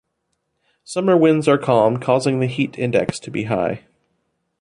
Summer winds are calm, causing the heat index to be high.